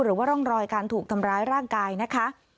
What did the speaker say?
หรือว่าร่องรอยการถูกทำร้ายร่างกายนะคะ